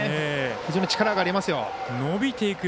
非常に力がありますよ。